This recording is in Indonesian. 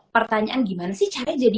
pertanyaan gimana sih caranya jadi